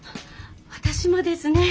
私もですね